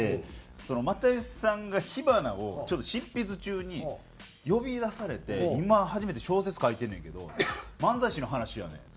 又吉さんが『火花』を執筆中に呼び出されて「今初めて小説書いてんねんけど漫才師の話やねん」。